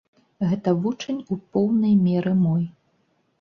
Гэта вучань у поўнай меры мой.